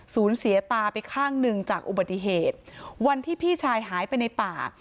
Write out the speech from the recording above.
เสียตาไปข้างหนึ่งจากอุบัติเหตุวันที่พี่ชายหายไปในป่า